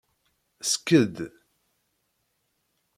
Sked.